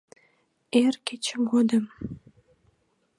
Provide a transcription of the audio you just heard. Эр кече годым